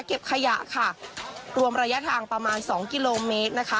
เก็บขยะค่ะรวมระยะทางประมาณสองกิโลเมตรนะคะ